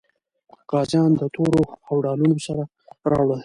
غازیان د تورو او ډالونو سره راوړل.